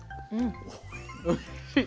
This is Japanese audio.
おいしい。